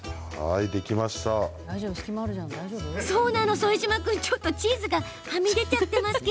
副島君、ちょっとチーズがはみ出していますよ。